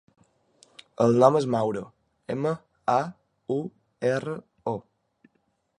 El nom és Mauro: ema, a, u, erra, o.